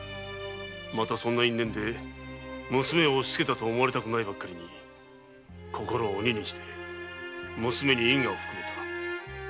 またそんな因縁で娘を押しつけたと思われたくないばっかりに心を鬼にして娘に因果を含めた。